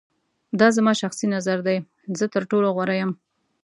دا زما شخصی نظر دی. زه تر ټولو غوره یم.